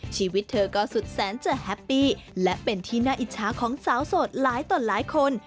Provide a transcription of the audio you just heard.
ชีวิตเธอก็สุดแสนจะแฮปปี้และเป็นที่น่าอิจฉาของสาวโสดหลายต่อหลายคน